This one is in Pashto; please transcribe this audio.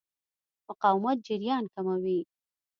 مقاومت جریان کموي.